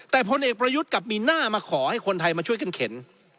แต่พลเอกประยุทธ์กลับมีหน้ามาขอให้คนไทยมาช่วยขึ้นเข็น